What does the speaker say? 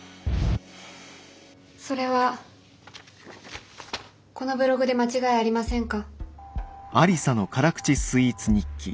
それはこのブログで間違いありませんか？